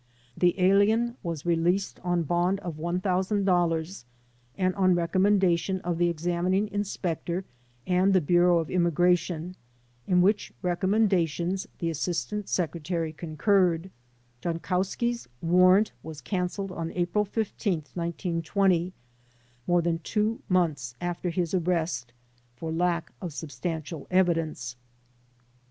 The alien was released on bond of $1,000 and on recommendation of the examining inspector and the Bureau of Immigration, in which recommendations the Assistant Secretary concurred, Jankauskis* warrant was cancelled on April 15, 1920, more than two months after his arrest, for lack of substantial evidence.